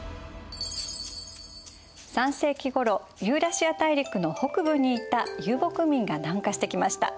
３世紀ごろユーラシア大陸の北部にいた遊牧民が南下してきました。